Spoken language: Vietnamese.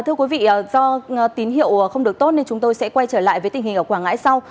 thưa quý vị do tín hiệu không được tốt nên chúng tôi sẽ quay trở lại với tình hình ở quảng ngãi sau